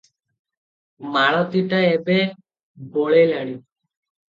ମାଳତୀଟା ଏବେ ବଳେଇଲାଣି ।